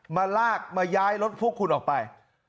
มาลากมาย้ายรถพวกคุณออกไป